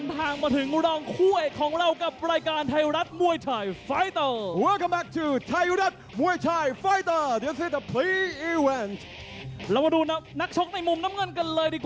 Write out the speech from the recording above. กำลังจะเตรียมทางฟ้าของชายภูมิโพลีส